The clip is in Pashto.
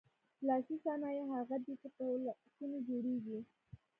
لاسي صنایع هغه دي چې په لاسونو جوړیږي.